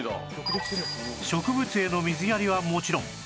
植物への水やりはもちろん